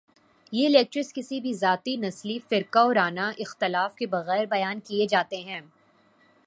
یہ لیکچرز کسی بھی ذاتی ، نسلی ، فرقہ ورانہ اختلاف کے بغیر بیان کیے جاتے ہیں